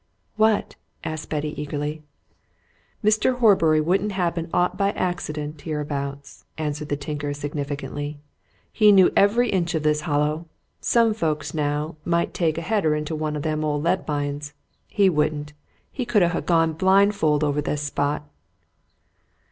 "What?" asked Betty eagerly. "Mr. Horbury wouldn't happen aught by accident, hereabouts," answered the tinker significantly. "He knew every inch of this Hollow. Some folks, now, might take a header into one o' them old lead mines. He wouldn't. He could ha' gone blind fold over this spot."